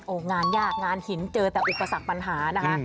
งานยากงานหินเจอแต่อุปสรรคปัญหานะคะ